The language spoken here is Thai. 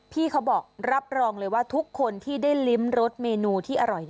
พี่เขาบอกรับรองเลยว่าทุกคนที่ได้ลิ้มรสเมนูที่อร่อย